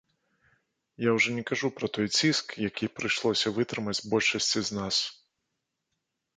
Я ўжо не кажу пра той ціск, які прыйшлося вытрымаць большасці з нас.